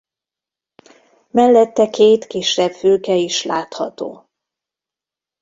Mellette két kisebb fülke is látható.